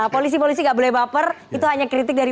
polisi polisi nggak boleh baper itu hanya kritik dari